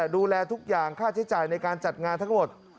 ดูแลทุกอย่างค่าใช้จ่ายในการจัดงานทั้งหมด